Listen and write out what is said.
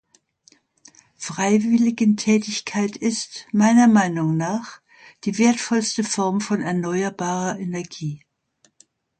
Freiwilligentätigkeit ist, meiner Meinung nach, die wertvollste Form von erneuerbarer Energie.